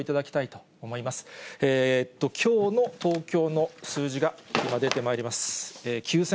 きょうの東京の数字が今、出てまいります。